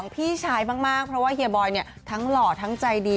พี่ชายมากเพราะว่าเฮียบอยเนี่ยทั้งหล่อทั้งใจดี